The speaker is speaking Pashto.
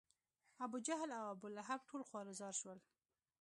ابوجهل او ابولهب ټول خوار و زار شول.